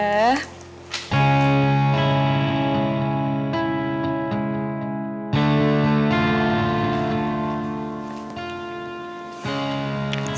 baru aja mana tante